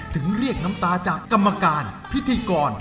ถึงเรียกน้ำตาจากกรรมการพิธีกร